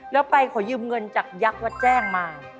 แล้วไปขอยืมเงินจากยักษ์วัดแจ้งมา